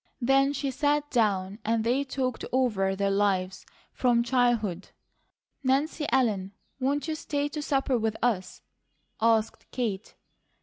Then she sat down and they talked over their lives from childhood. "Nancy Ellen, won't you stay to supper with us?" asked Kate.